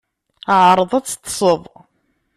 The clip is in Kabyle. Ԑreḍ ad teṭṭseḍ.